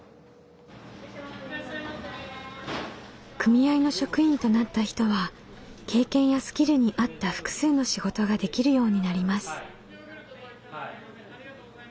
組合の職員となった人は経験やスキルに合った複数の仕事ができるようになります。